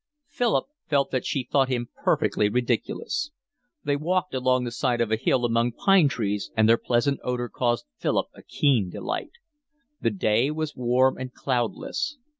Philip felt that she thought him perfectly ridiculous. They walked along the side of a hill among pine trees, and their pleasant odour caused Philip a keen delight. The day was warm and cloudless.